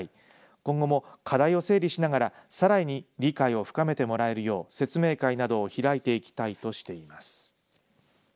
今後も課題を整理しながらさらに理解を深めてもらえるよう説明会などを開いていきたいとしています。